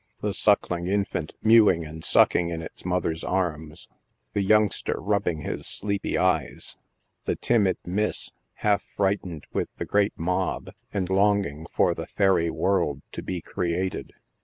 The suckling infant " mewing and sucking in its mother's arms." The youngster rubbing his sleepy eyes. The timid Miss, half frightened with the great mob and longing for the fairy world to be created.